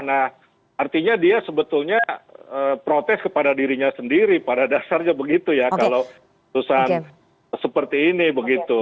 nah artinya dia sebetulnya protes kepada dirinya sendiri pada dasarnya begitu ya kalau keputusan seperti ini begitu